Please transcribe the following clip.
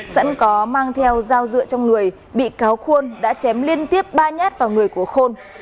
sẵn có mang theo dao dựa trong người bị cáo khuôn đã chém liên tiếp ba nhát vào người của khuôn